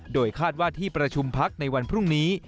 โดยคาดว่าที่ประชุมพักในวันพรุ่งนี้